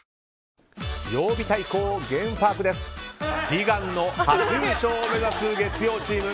悲願の初優勝を目指す月曜チーム。